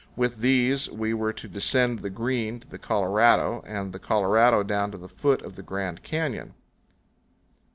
With these we were to descend the Green to the Colorado, and the Colorado down to the foot of the Grand Canyon.